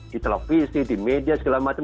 di televisi di media segala macam